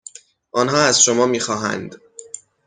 آنها از شما میخواهند